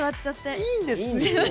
いいんです！